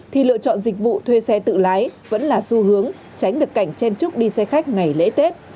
thì lựa chọn dịch vụ thuê xe tự lái vẫn là xu hướng tránh được cảnh chen trúc đi xe khách ngày lễ tết